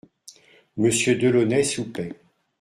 Monsieur de Launay soupait.